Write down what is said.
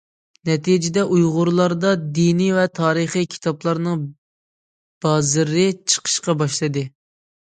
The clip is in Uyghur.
نەتىجىدە ئۇيغۇرلاردا دىنى ۋە تارىخى كىتابلارنىڭ بازىرى چىقىشقا باشلىدى.